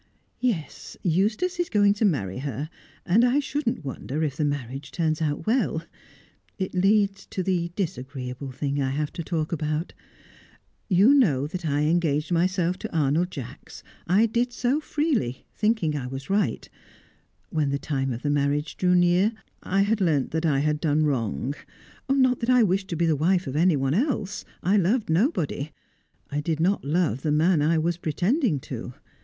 "Yes, Eustace is going to marry her; and I shouldn't wonder if the marriage turns out well. It leads to the disagreeable thing I have to talk about. You know that I engaged myself to Arnold Jacks. I did so freely, thinking I did right. When the time of the marriage drew near, I had learnt that I had done wrong. Not that I wished to be the wife of anyone else. I loved nobody; I did not love the man I was pretending to.